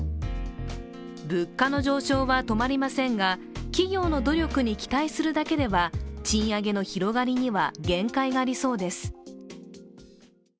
物価の上昇は止まりませんが、企業の努力に期待するだけでは賃上げの広がりには限界がありそうです。